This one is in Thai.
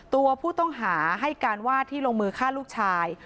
ตัวผู้ต้องหาให้การว่าที่ลงมือฆ่าลูกชาย